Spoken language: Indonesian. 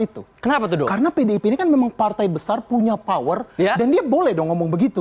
itu kenapa karena pdip ini kan memang partai besar punya power dan dia boleh dong ngomong begitu